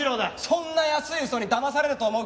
そんな安いウソにだまされると思うか？